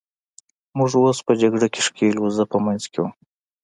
موږ اوس په جګړه کې ښکېل وو، زه په منځ کې وم.